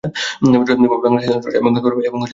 ববি বাংলাদেশের ঢাকায় জন্মগ্রহণ করেন এবং বেড়ে উঠেন।